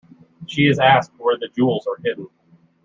She is asked where the jewels are hidden.